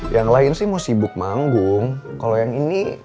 yang lain sih mau sibuk manggung kalau yang ini